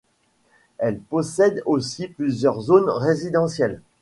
Elle possède aussi plusieurs zones résidentielles.